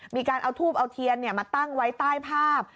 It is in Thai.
มีการเอาทูบเอาเทียนมาตั้งไว้ใต้ภาพ